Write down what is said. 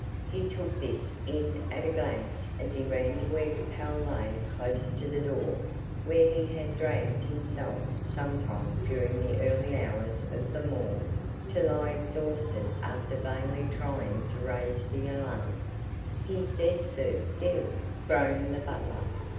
He took this in at a glance as he ran to where Capel lay close to the door, where he had dragged himself sometime during the early hours of the morn, to lie exhausted after vainly trying to raise the alarm. "He's dead, sir, dead!" groaned the butler.